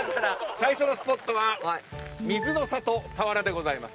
最初のスポットは水の郷さわらでございます。